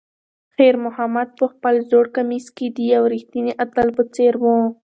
خیر محمد په خپل زوړ کمیس کې د یو ریښتیني اتل په څېر و.